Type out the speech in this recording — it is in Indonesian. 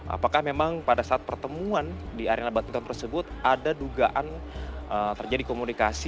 apakah memang pada saat pertemuan di arena badminton tersebut ada dugaan terjadi komunikasi